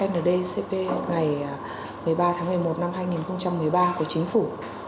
ndcp ngày một mươi ba tháng một mươi một năm hai nghìn một mươi ba của chính phủ